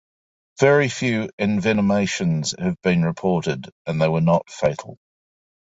Very few envenomations have been reported and they were not fatal.